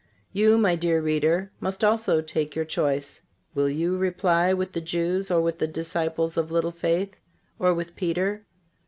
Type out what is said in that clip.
(372) You, my dear reader, must also take your choice. Will you reply with the Jews, or with the disciples of little faith, or with Peter?